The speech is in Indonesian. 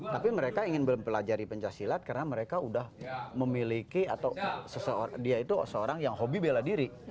tapi mereka ingin mempelajari pencaksilat karena mereka sudah memiliki atau dia itu seorang yang hobi bela diri